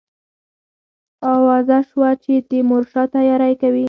آوازه سوه چې تیمورشاه تیاری کوي.